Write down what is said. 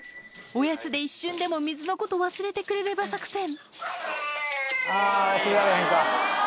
おやつで一瞬でも水のこと忘れてくれれば作戦。